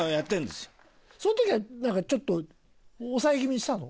その時はなんかちょっと抑え気味にしたの？